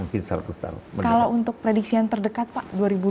kalau untuk prediksi yang terdekat pak